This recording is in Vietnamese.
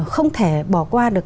không thể bỏ qua được